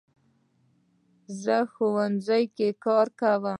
زه ښوونځي کې کار کوم